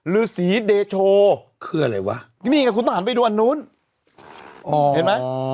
ฤษีเดโชคืออะไรวะนี่ไงคุณต้องหันไปดูอันนู้นอ๋อเห็นไหม